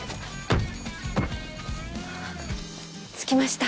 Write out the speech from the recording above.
着きました。